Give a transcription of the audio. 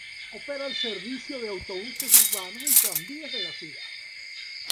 Opera el servicio de autobuses urbanos y tranvías de la ciudad.